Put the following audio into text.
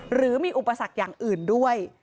หรือมีอุปสรรคอย่างอื่นด้วย